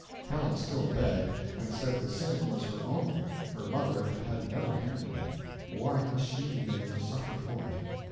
Helen still begged, and said the sin was her own, her mother had had no hand in it why must she be made to suffer for it?